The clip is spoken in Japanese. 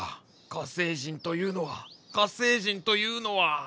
火星人というのは火星人というのは。